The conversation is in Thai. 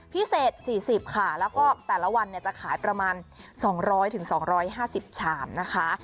พิเศษ๔๐ค่ะแล้วก็แต่ละวันจะขายประมาณ๒๐๐๒๕๐ชามนะคะ